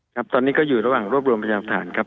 ครับตอนนี้ก็อยู่ระหว่างรวบรวมพยานฐานครับ